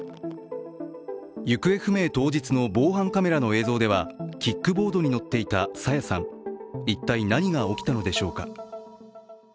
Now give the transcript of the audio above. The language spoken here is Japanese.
行方不明当日の防犯カメラの映像ではキックボードに乗っていた朝芽さん、一体何が起きたのでしょうか。